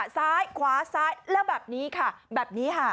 ซ้ายขวาซ้ายแล้วแบบนี้ค่ะแบบนี้ค่ะ